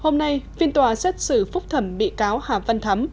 hôm nay phiên tòa xét xử phúc thẩm bị cáo hà văn thắm